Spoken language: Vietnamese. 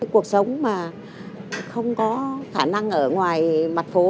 cuộc sống mà không có khả năng ở ngoài mặt phố